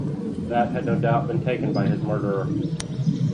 That had no doubt been taken by his murderer.